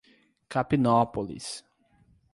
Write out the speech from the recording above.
Capinópolis